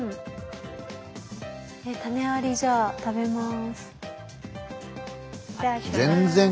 種ありじゃあ食べます。